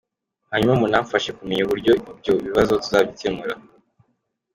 Hanyuma munamfashe kumenya uburyo ibyo bibazo tuzabicyemura.